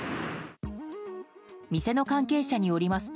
店の関係者によりますと